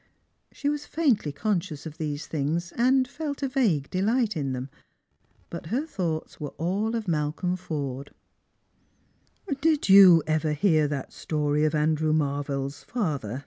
She was faintly consciows of these things, and felt a vague delight in them ; but her thoughts were all of Malcolm Forde. " Did you ever hear that story of Andrew Marvell's father?